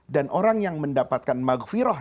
dan orang yang mendapatkan maghfirah